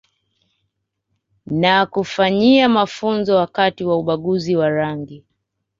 Na kufanyia mafunzo wakati wa ubaguzi wa rangi